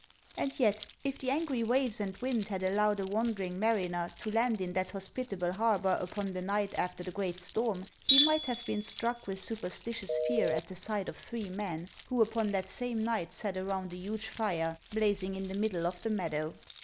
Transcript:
And yet, if the angry waves and wind had allowed a wandering mariner to land in that hospitable harbor upon the night after the great storm, he might have been struck with superstitious fear at the sight of three men, who upon that same night sat around a hnge fire, blazing in the middle of the meadow.